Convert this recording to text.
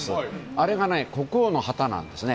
あれが国王の旗なんですね。